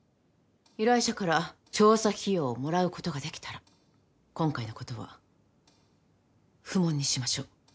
依頼者から調査費用をもらうことができたら今回のことは不問にしましょう。